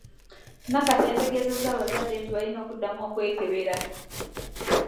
Nakate yategeezezza abazadde nti balina okuddamu okwekebera.